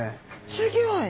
すギョい。